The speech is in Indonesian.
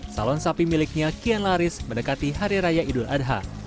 salon sapi miliknya kian laris mendekati hari raya idul adha